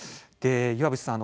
岩渕さん